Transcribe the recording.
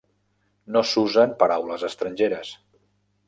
No s'usen paraules estrangeres.